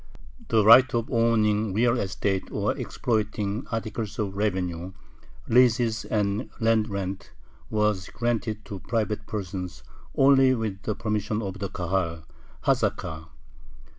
The right of owning real estate or exploiting articles of revenue (leases and land rent) was granted to private persons only with the permission of the Kahal (hazaka).